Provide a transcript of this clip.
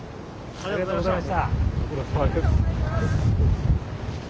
ありがとうございます。